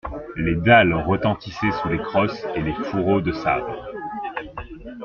Les dalles retentissaient sous les crosses et les fourreaux de sabres.